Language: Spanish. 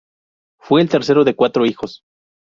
Fue el tercero de cuatro hijos.